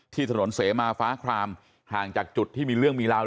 ที่ถนนเสมาฟ้าครามห่างจากจุดที่มีเรื่องมีราว